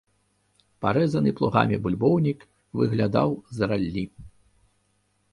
Парэзаны плугамі бульбоўнік выглядаў з раллі.